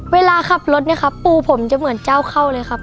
เวลาขับรถเนี่ยครับปูผมจะเหมือนเจ้าเข้าเลยครับ